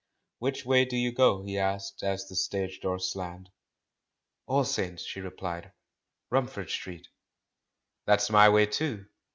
"Which way do you go?" he asked as the stage door slammed. "All Saints," she replied; "Rumford Street." "That's my way, too.